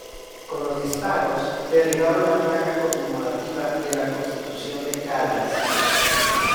Con los disparos derribaron la placa conmemorativa de la Constitución de Cádiz.